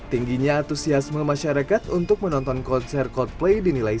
tingginya antusiasme masyarakat untuk menonton konser coldplay dinilai